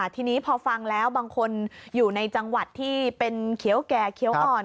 ทีนี้พอฟังแล้วบางคนอยู่ในจังหวัดที่เป็นเขียวแก่เขียวอ่อน